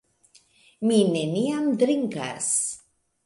Mi neniam drinkas.